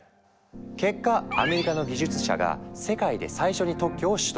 結果アメリカの技術者が世界で最初に特許を取得。